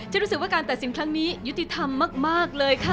รู้สึกว่าการตัดสินครั้งนี้ยุติธรรมมากเลยค่ะ